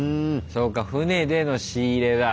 そうか船での仕入れだ。